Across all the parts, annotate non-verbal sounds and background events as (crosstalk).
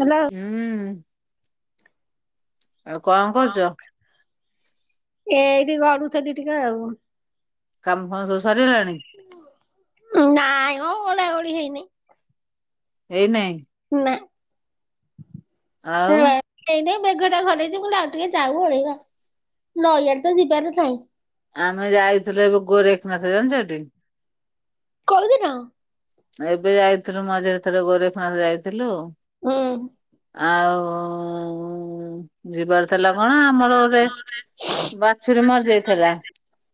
Hello ହୁଁମ୍। କଁ କରଚୁ? ଏଇଠି ଗଡୁଥେଲି ଟିକେ ଆଉ। କାମ ଫାମ ସବୁ ସରିଗଲାଣି? ନାଇଁ ମ ଗୋଡା ଗୋଡି ହେଇନି। ଏଇ ନାଇଁ ନା। ଆଉ ନାଇଁ ନାଇଁ ମେଘଟା ଘଡେଇଛି ମୁଁ ଟିକେ ଯାଉୁ ଓଳେଇିଵା ନଈଆଡେ ତ ଯିବାର ନାହିଁ। ଆମେ ଯାଇଥିଲୁ ଏବେ ଗୋରେଖନାଥ ଜାଣଚ ଟି କୋଉଦିନ? ଏବେ ଯାଇଥିଲୁ ମଝିରେ ଥରେ ଗୋରେଖନାଥ ଯାଇଥିଲୁ। ଉଁ ଉଁ। ଆଉ -ଉ-ଉ-ଉ ଯିବାର ଥିଲା କଣ ଆମର ଗୋଟେ ବାଛୁରୀ ମରିଯାଇଥିଲା।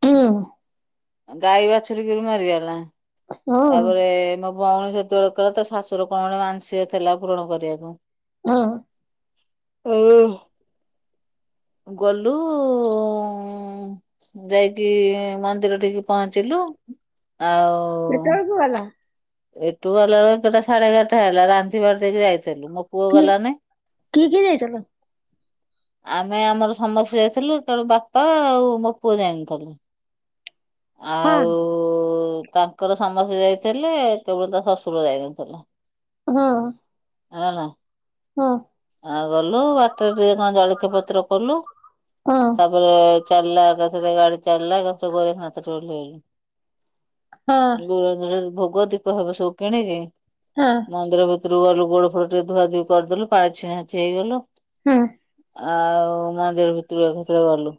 ହୁଁ ଗାଈ ବାଛୁରୀକିରି ମରିଗଲା। ହୁଁ ତାପରେ ମୋ ଭୋଉଣୀ ସେତେବେଳେ କହିଲା। ତା ଶାଶୁର କଣ ଗୋଟେ ମାନସିକ ଥେଲା ପୂରଣ କରିବାକୁ। ଉଁ। ଏଇ ଗୋଲୁ ଉ-ଉ-ଉ ଉଁ ଯାଇକି ମନ୍ଦିର ଠି ପହଁଚିଲୁ ଆଉ କେତେଳେକୁୁ ଗଲା? ଏଠୁ ଗଲା ବେଳକୁ ସାଢେଗାରଟା ହେଲା ରାତି ବାରଠୁ ସିଏ ଯାଇଚନ୍ତି। ପୁଅ କି ଗଲାନି। କିଏ କିଏ ଯାଇଥିଲ? ଆମେ ଆମର ସମସ୍ତେ ଯାଇଥିଲୁ କେବଳ ବାପା ଆଉ ମୋ ପୁଅ ଯାଇନଥେଲେ। ହଁ ଆଉଉଉ ତାଙ୍କର ସମସ୍ତେ ଯାଇଥେଲେ କେବଳ ତା ଶଶୁର ଯାଇନଥେଲା। ହୁଁ। (unintelligible) ହଁ। ଆ ଗଲୁ ବାଟରେ ଟିକେ କଣ ଜଳଖିଆ ପତ୍ର କଲୁ ହଁ ତା ପରେ ଚାଲିଲା ଏକାଥରେ ଗାଡି ଚାଲିଲା ଏକାଥରେ ଗୋରେଖ ନାଥ ଠି ଓଲେଲୁ। ହଁ ଗୋରୁଖ ଭୋଗ ଦୀପ ଫିପ ସବୁ କିଣିକି ହଁ। ମନ୍ଦିର ଭିତରୁକୁ ଗଲୁ ଗୋଡ ଫୋଡ ରେ ଧୁଆ ଧୁଇ କରିଦେଲୁ ପାଣି ଛିଛି ହେଇଗଲୁ। ହୁଁ। ଆଉ ମନ୍ଦିର ଭିତରକୁ (unintelligible) ଗଲୁ।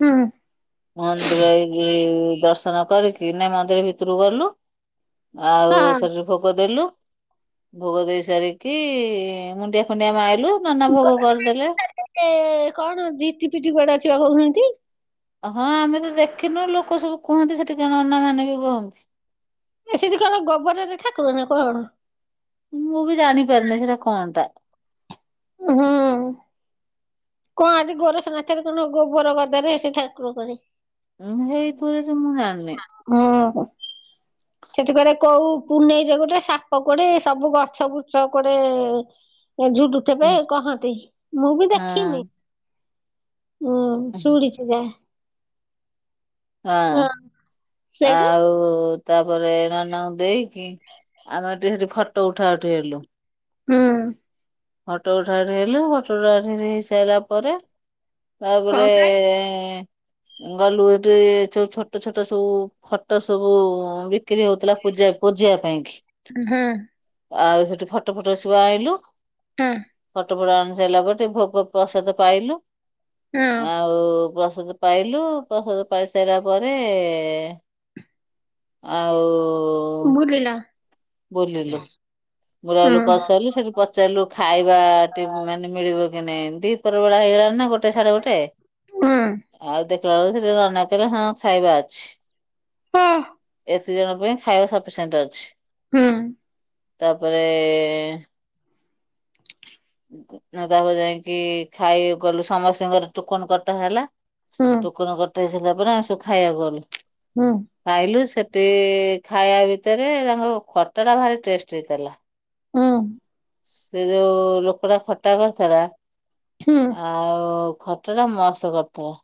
ହଁ। ମନ୍ଦିର ଏଇ ଦର୍ଶନ କରିକି ନାଇ ମନ୍ଦିର ଭିତରକୁ ଗଲୁ। ଆଉ ହଁ ସେଠୁ ଭୋଗ ଦେଲୁ, ଭୋଗ ଦେଇ ସାରିକି ମୁଣ୍ଡିଆ ଫୁଣ୍ଡିଆ ମାଇଲୁ ନନା ଭୋଗ କରିଦେଲେ। ଏ କଣ ଜିଟିପିଟି କୁଆଡେ ଅଛି ପା କହୁଛନ୍ତି। ହଁ, ଆମେ ତ ଦେଖିନୁ ଲୋକ ସବୁ କୁହନ୍ତି ସେଠିକା ନନା ମାନେ ବି କହନ୍ତି। ଏ ସେଠି କଣ ଗୋବରରେ ଠାକୁର ନା କଣ? ମୁଁ ବି ଜାଣି ପାରୁନି ସେଟା କଁ ଟା? ହୁଁ। କଣ ଆଜି ଗୋରେଖେ ନାଥରେ କଣ ଗୋବୋର ଗଦାରେ ସେ ଠାକୁର କୁଆଡେ ଉଁ ହେଇଥିବ ଯଦି ମୁ ଜାଣିନି। ଓହୋ। ସେଠି କୁଆଡେ କୋଉ ପୁନେଇରେ ଗୋଟେ ସାପ କୁଆଡେ ସବୁ ଗଛ ବୁଛ କୁଆଡେ ଏ ଝୁଲୁଥିବେ ହଁ କହନ୍ତି ମୁଁ ବି ଦେଖିନି। ହୁଁ ଶୁଣିଛି ଯା ହଁ ସେଇଠୁ ଆଉ ତାପରେ ନନାଙ୍କୁ ଦେଇକି ଆମେ (unintelligible) ଫଟୋ ଉଠା ଉଠି ହେଲୁ। ହୁଁ। ଫଟୋ ଉଠାଉଠି ହେଲୁ ଫଟୋ ଉଠାଉଠି ହେଇ ସାରିଲା ପରେ କଣ ତାପରେ ପାଇଁ ଏ ଏ ଏ ଗଲୁ ଏଠି ସ ଛୋଟ ଛୋଟ ସବୁ ଫଟୋ ସବୁ ଭି ବିକ୍ରି ହଉଥିଲା ପୂଜା ପୂଜେଇବା ପାଇଁକି ହଁ ଆଉ ସେଠୁ ଫଟୋ ଫଟ ସବୁ ଆଣିଲୁ। ହୁଁ। ଫଟୋ ଫଟ ଆଣି ସାରିଲା ପରେ ଟିକେ ଭୋଗ ପ୍ରସାଦ ପାଇଲୁ ହଁ ଆଉ ପ୍ରସାଦ ପାଇଲୁ ପ୍ରସାଦ ପାଇ ସାରିଲା ପରେ ଆଉ ବୁଲିଲ? ବୁଲିଲୁ। ହୁଁ ବୁଲାବୁଲି କରିସାରିଲୁ ସେଠି ପଚାରିଲୁ ଖାଇବା ଟି ମାନେ ମିଳିବ କି ନାଇଁ ଦିହିପର ବେଳା ହେଇଗଲା। ନା ଗୋଟେ ସାଡେ ଗୋଟେ ହୁଁ ଆଉ ଦେଖିଲା ବେଳକୁ ସେଠି ଗୋଟେ ନନା କହିଲେ ହଁ ଖାଇବା ଅଛି। ହା। ଏତେ ଜଣଙ୍କ ପାଇଁ ଖାଇବା ସଫିସିଏଣ୍ଟ ଅଛି। ହୁଁ। ତାପରେ ତାପରେ ଯାଇକି ଖାଇ ଗଲୁ ସମସ୍ତଙ୍କର ଟୁକନ କଟା ହେଲା। ହୁଁ ଟୁକନ କଟା ହେଇ ସାରିଲା ପରେ ଆମେ ସବୁ ଖାଇବାକୁ ଗଲୁ। ହୁଁ। ଖାଇଲୁ ସେଠି ଖାଇବା ଭିତରେ ତାଙ୍କ ଖଟା ଟା ଭାରି ଟେଷ୍ଟ ହେଇଥିଲା। ହୁଁ। ସେ ଯୋଉ ଲୋକ ଟା ଖଟା କରିଥିଲା ହୁଁ ଆ ଆଉ ଖଟା ଟା ମସ୍ତ୍ କରିଥିଲା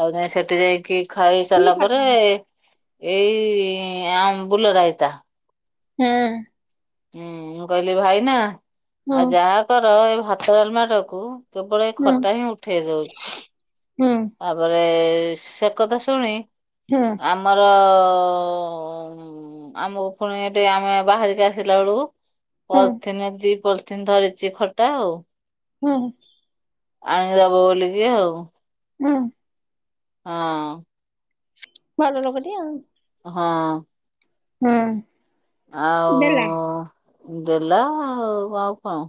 ତାପରେ ଯାଇ ସେଠି ଯାଇକି ଖାଇ ସାରିଲା ହଁ ପରେ ଏଇ ଆମ୍ବୁଲ ରାଇତା ହୁଁ। ହୁଁ ମୁଁ କହିଲି ଭାଇ ନା ଆଉ ଯାହା କର ଏଇ ଭାତ, ଡାଲମା ଟାକୁ କେବଳ ଖଟା ହିଁ ଉଠେଇ ଦଉଛି। ହୁଁ। ତାପରେ ସେ କଥା ଶୁଣି ହୁଁ। ଆମର ହୁଁ ଆମକୁ ପୁଣି ଏଠି ଆମେ ବାହାରିକି ଆସିଲା ବେଳକୁ ହଁ ହଁ ହଁ ପଲଥିିନ ଦି ପଲିଥିନ୍ ଧରିଛି ଖଟା ଆଉ ହୁଁ। ଆଣିଦବ ବୋଲିକି ଆଉ ହୁଁ। ହଁ। ଭଲ ଲୋକଟି ଆଉ ହଁ। ହୁଁ। ଦେଲା ଆଉ ଦେଲା ଆଉ ଆଉ କଣ?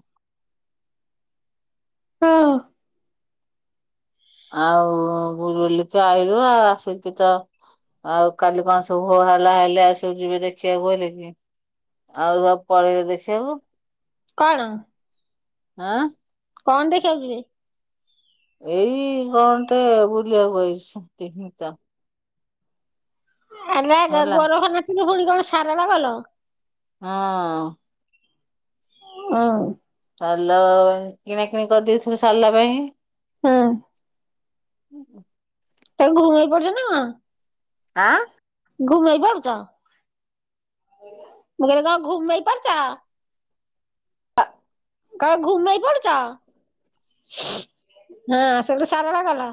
ହୁଁ। ଆଉ ବୁଲି କି ଆଇଲୁ ଆ ଆସି କି ତ ଆଉ କାଲି କଣ ସବୁ ହାଲା ହେଲି ଆ ସବୁ ଯିବେ ଦେଖିବାକୁ ବୋଲି କି ଆଉ ସବୁ ପଳେଇଲେ ଦେଖିବାକୁ। କଣ? ହଁ। କଣ ଦେଖିବାକୁ ଯିବେ? ଏଇ କଣ ଟେ ବୁଲିବାକୁ କହିଛନ୍ତି ହିଁ ତ। ରା ହେଲା ଗୋରଫ ନାଚିଲ ପୁଣି କଣ ସାରଳା ଗଲ? ହଁ। ହୁଁ। ସିଲ କିଣା କିିଣି କରିଦେଇଥିଲୁ ସାରିଲା ପାଇଁ। ହୁଁ। ତାଙ୍କୁ ଭୁଙ୍ଗେଇ ପଡୁଛ ନା କଣ? ଆଁ? ଘୁମେଇ ପାରୁୁଛ ମୁଁ କହିଲି କଣ ଘୁମେଇ ପଡୁଛ? ଆଃ। କ ଘୁମେଇ ପଡୁଛ ହଁ ସେଗଟୁ ସାରଳା ଗଲ।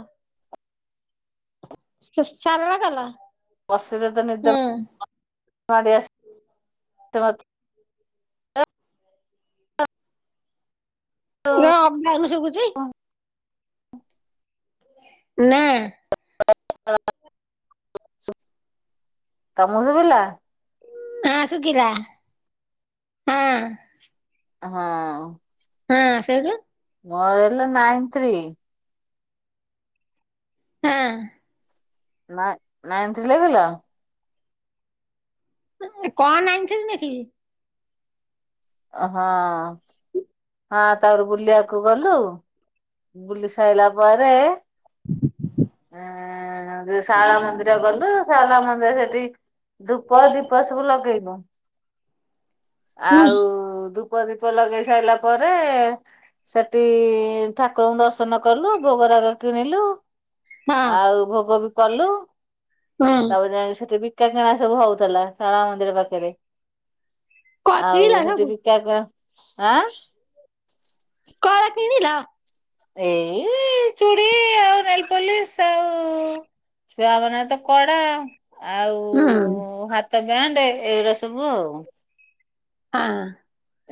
ସାରଳା ଗଲ। ବସିଲେ ତ ନିଦ ମାଡି ଆସ ତ ମୋତ ଁ (inaudible) ହଁ (unintelligible) ଶୁଭୁଚି। ଆଉ ନା। (inaudible) ତମକୁ ଶୁବିଲା। ହଁ, ସୁଗିରା ହଁ। ହଁ। ହଁ, ସେଇଠୁ ମୋର ହେଲା ନାଇନ ଥ୍ରୀ। ହେଁ। (unintelligible) (unintelligible) ଓ ହଁ, ହଁ ତାପରେ ବୁଲିବାକୁ ଗଲୁ ବୁଲି ସାରିଲା ପରେ ଆଁ ଯୋ ଶାରଳା ମନ୍ଦିର ଗଲୁ ଶାରଳା ମନ୍ଦିର ସେଠି ଧୂପ, ଦୀପ ସବୁ ଲଗେଇବ। ଆଉ ଧୂପ ଦୀପ ଲଗେଇ ସାଇଲା ପରେ ସେଠି ଠାକୁରଙ୍କୁ ଦର୍ଶନ କଲୁ ଭୋଗ ରାଗ କିଣିଲୁ ହଁ ଆଉ ଭୋଗ ବି କଲୁ। ତାପରେ ଯାଇକି ସେଠି ବିକା କିଣା ସବୁ ହଉଥିଲା ଶାଳା ମନ୍ଦିର ପାଖରେ। ଆଉ ସେଠି ବିକା କ ଆଁ? କଣ କିଣିଲ? ଏଇ ଚୁଡ଼ି ଆଉ ନେଲ୍ ପଲିସ୍ ଆଉ ଚା ବନାଏ ତ କଡା, ଆଉ ହା (unintelligible) ଏଇଗୁଡା ସବୁ ଆଉ। ହଁ।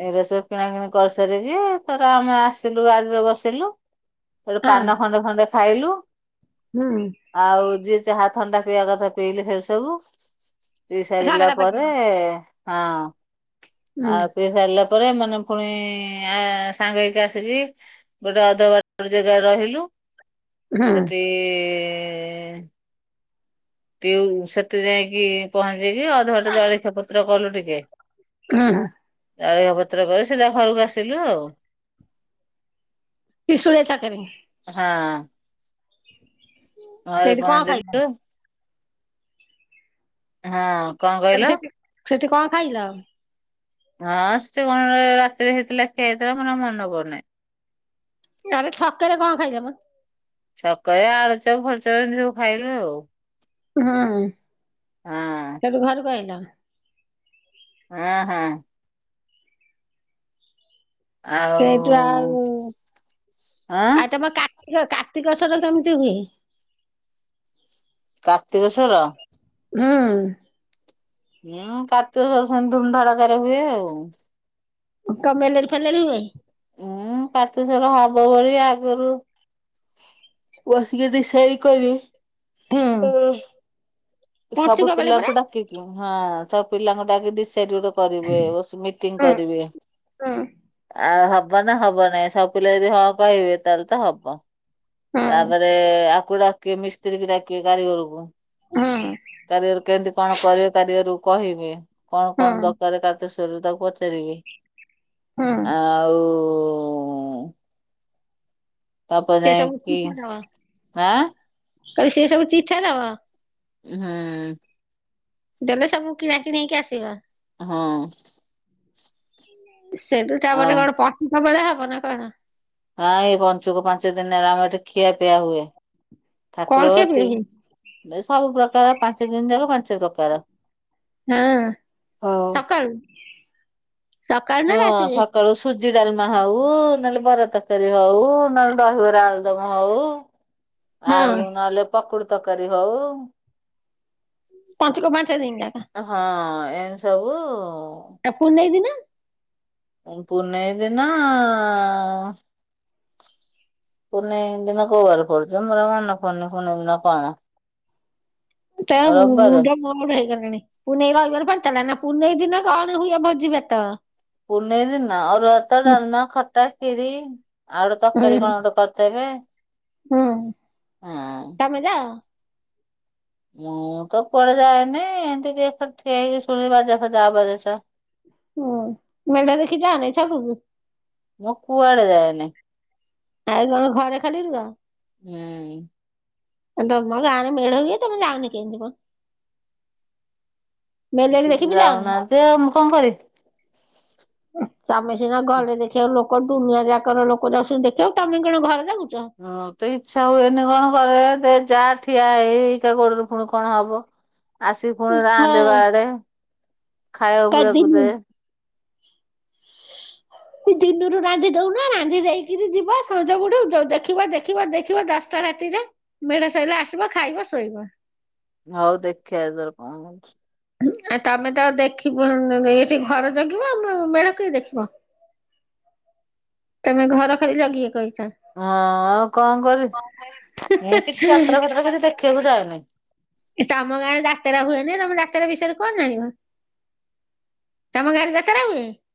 ଏଇରା ସବୁ କିଣା କିିଣି କରିସାରିକି, ତରେ ଆମେ ଆସିଲୁ ଗାଡିରେ ବସିଲୁ। (unintelligible) ପାନ ଖଣ୍ଡେ ଖଣ୍ଡେ ଖାଇଲୁ। ହୁଁ। ଆଉ ଯିଏ ଚାହା ଥଣ୍ଡା ପିଇବା କଥା ପିଇଲେ ସେ ସବୁ। ପିଇ ସାରିଲା ଝଗଡ଼ା ପାଟି ପରେ ହଁ, ହୁଁ ଆଉ ପିଇ ସାରିଲା ପରେ ଏମାନେ ଫୁଣି ଆ, ସାଙ୍ଗ ହେଇକି ଆସିକି ଗୋଟେ ଅଧ ବାଟରେ ଜାଗାରେ ରହିଲୁ ହୁଁ ସେଠି (unintelligible) ସେଠେ ଯାଇକି ପହଞ୍ଚିକି, ଅଧବାଟେ ଜଳିଖା ପତ୍ର କଲୁ ଟିକେ। ହଁ, ହଁ। ଜଳିଆ ପତ୍ର କରି ସିଧା ଘରକୁ ଆସିଲୁ ଆଉ। ଟିସୁଳି ଚାକରେ। ହଁ। ଘରେ ସେଇଠି କଣ ଖାଇଲ ଦେଲୁ? ହଁ କଣ କହିଲି କହିଲ? ସେଠି ସେଠି କଣ ଖାଇଲ? ହଁ ସେ କଣ ରାତିରେ ହେଇଥିଲା ଖିଆ ହେଇଥିଲା ମୋର ମନ ପଡୁନେଇ। ଆଡେ ଛକରେ କଁ ଖାଇଛ? ଛକ ରେ ଆଳୁଚପ ଫାଳୁଚପ ଏମିତି ସବୁ ଖାଇଲୁ ଆଉ। ହୁଁ ସେଠୁ ଘରୁକୁ ଆଇଲ? ହଁ-ହଁ। ଆଉ ସେଇଠୁ ଆଉ ଆଁ ଆ ତମ କା ଏ ଲୋ କାର୍ତ୍ତିକ ସ୍ୱର ସେମିତି ହୁଏ? କାର୍ତ୍ତିକଶ୍ୱର। ଉଁ। ହୁଁ କାର୍ତ୍ତିକସ୍ଵର ସେମିତି ଧୁମଧଡକରେ ହୁଏ ଆଉ। କ ମଲେଡି ଫେଲେଡି ହୁଏ? ହୁଁ କାର୍ତ୍ତିକଶ୍ଵର ଆଗଭଳିଆ ଆଗରୁ ବସିକି ଏଠି ଡିଶାଇଡି କଲି ହୁଁ ଓ। ସବୁ ପଞ୍ଚୁକ ବେଳେ ପରା ପିଲାଙ୍କୁ ଡାକିକି ହଁ। ସବୁ ପିଲାଙ୍କୁ ଡାକିକି ଦିସାଇଡି ଗୋଟେ କରିବେ ଓସ୍ ମିଟିଙ୍ଗ ହୁଁ କରିବେ। ହୁଁ ଆଉ ହବ ନା ହବ ନାାଇଁ ସବୁ ପିଲା ଯଦି ହଁ କହିବେ ତାହେଲ୍ ତ ହବ। ହୁଁ ତାପରେ ଆକୁ ଡାକି ମିସ୍ତ୍ରୀ କୁ ଡାକିବେ କାରିଗରକୁ। ହୁଁ କାରିଅର କେମତି କଣ କରିବ କାରିଗର କୁ କହିବେ। କଣ ହୁଁ କଣ ଦରକାର କାର୍ତ୍ତିକେଶ୍ଵରରେ ତାକୁ ପଚାରିବେ। ହୁଁ ଆଉ ତାପରେ ସେ ସବୁ ଯାଇକି ଚିଠା ଦବ ଆଁ? ସେ ସବୁ ଚିଠା ଦବ? ହୁଁ। ଦେଲେ ସବୁ କିଣାକିଣି ହେଇକି ଆସିବା। ହଁ। ସେଠୁ ତା ପରେ ଆଉ କଣ ପଶିକ ବଳେ ହବ ନା କଣ? ଆଇ ପଞ୍ଚୁକ ପାଞ୍ଚ ଦିନ ହେଲା ଆମର ଏଠି ଖିଆ ପିଆ ହୁଏ କଣ କେବେ ଠାକୁରଘଠୀ। ହୁଏ? ଏସବୁ ପ୍ରକାର ପାଞ୍ଚ ଦିନ ଯାକ ପାଞ୍ଚ ପ୍ରକାର ହଁ ହଉ। ସକାଳୁ ସକାଳୁ ନା ହଁ ରାତିରେ? ସକାଳୁ ସୁଜି ଡାଲମା ହଉ ନହେଲେ ବରା ତରକାରୀ ହଉ ନହେଲେ ଦହିବରା ଆଉ ତମ ହଉ ହଁ ଆଉ ନହେଲେ ପକୁଡି ତରକାରୀ ହଉ। ପଞ୍ଚୁକ ପାଞ୍ଚ ଦିନି ଯାକ। ହଁ ଏମିତି ସବୁ ଆ ପୁନେଇ ଦିିନ? ପୁନେଇ ଦିନ ପୁନେଇ ଦିନ କୋଉ ବାରେ ପଡୁଚି ମୋରଉ ମନେ ପଡୁନି କୁନି ଦିନ କଣ? ତେଣୁ ମୁ ମୁ ରବିବାର ଣ୍ଡଅମା ରୁ ମୁ ନେଇଗଲିଣି ପୁନେଇ ରଇବାର ପଡୁଥିଲାନା ପୁନେଇ ଦିନ କଣ ହୁଏ ଭୋଜି ଭାତ? ପୁନେଇ ଦିନ ଅରୁଆ ଆଭାତ ହୁଁ ଡାଲମା ଖଟା ଖିରି। ଆଉ ଗୋଟେ ତକାରୀ କଣ ଗୋଟେ କରଦେବେ। ହୁଁ ତମେ କିଆ ମୁଁ ତ କୁଆଡେ ଯାଏନି ଏମିତି ଟିକେ ଛିଡ଼ା ହେଇକି ଶୁଣେ ବାଜ ଫାଜା। ହୁଁ ମେଡା ଦେଖି ଜାନିଛକକୁ। ମଁ କୁଆଡେ ଯାଏନି। ଆଉ କଣ ଘରେ ଖାଲି ରୁହ? ହୁଁ। ତମ ଗାଁରେ ମେଳା ହୁଏ ତମେ ଯାଉନି କେମିତି ମ ମେଲୋଡି ସେ ଦେଖି ତ ବି ଯାଅନି? ଯାଉନାହାନ୍ତି ଆଉ ମୁଁ କଣ କରିବି। ଏ ତମେ ସିନା ଘରେ ଦେଖିଆ ଲୋକ ଦୁନିଆ ଯାକର ଲୋକ ଯାଉଛନ୍ତି ଦେଖିଆକୁ ତମେ କଣ ଘରେ ଜଗୁଚ। ହଁ ତ ଇଚ୍ଛା ହୁଏନି କଣ କରେ ଦେ ଯା ଠିଆ ହେଇ ହେଇକା ଗୋଡରେ ପୁଣି କଣ ହବ। ଆସିକି ଫୁଣି ରାନ୍ଧେ ହଁ ବାଢ଼େ ଖାଇବା ପିଇବାକୁ ପିଇବାକୁ କାଦିନୁ ଦେ। (inaudible) କି ଦିନୁରୁ ରାନ୍ଧି ଦୋଉନ ରାନ୍ଧି ଦେଇକିରି ଯିବ ସଞ୍ଜ ବୁଡୁ ଡୋ ଦେଖିବ ଦେଖିବ ଦେଖିବ ଦଶଟା ରାତିରେ ମେଢ଼ା ସଇଲେ ଆସିବ ଖାଇବ ଶୋଇବ। ହଉ ଦେଖିଆ ତାର କଁ ହୋଉଛି। ଆ ତମେ ତ ଦେଖିବ ଉଁ ନ ନ ଏଠି ଘର ଜଗିବ ଆଉ ମୁ ମେଢ କିଏ ଦେଖିବ। (inaudible) ତମେ ଘର ଖାଲି ଜଗିବା କୁ ଇଚ୍ଛା। ହଁ ଆଉ କଁ କରିବି ମୁଁ କିଛି ଯାତ୍ରା ଫାତ୍ରା କିଛି ଦେଖିବାକୁ ଯାଏନି। ଏ ତମ ଗାଁ ଯାତେରା ହୁଏନି ତମେ ଯାତେରା ବିଷୟରେ କଁ ଜାଣିବ। ତମ ଗାଁ ରେ ଯାତେରା ହୁଏ।